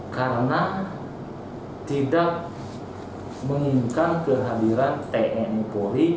karena tidak menginginkan kehadiran tni polri